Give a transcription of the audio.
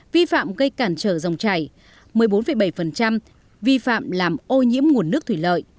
một mươi chín sáu vi phạm gây cản trở dòng chảy một mươi bốn bảy vi phạm làm ô nhiễm nguồn nước thủy lợi